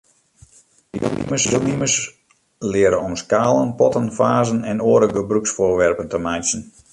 De dielnimmers leare om skalen, potten, fazen en oare gebrûksfoarwerpen te meitsjen.